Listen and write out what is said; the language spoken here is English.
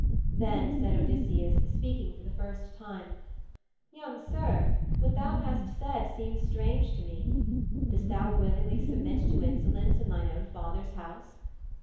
Then said Odysseus, speaking for the first time, 'Young sir, what thou hast said seems strange to me. Dost thou willingly submit to insolence in thine own father's house?